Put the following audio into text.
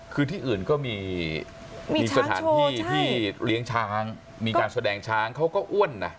คือที่อื่นก็มีสถานที่ที่เลี้ยงช้างมีการแสดงช้างเขาก็อ้วนนะ